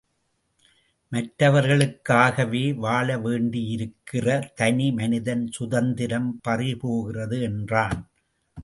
மற்றவர்களுக்காவே வாழ வேண்டியிருக்கிறது தனி மனிதன் சுதந்திரம் பறிபோகிறது என்றான்.